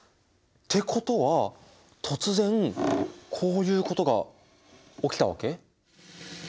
てことは突然こういうことが起きたわけ？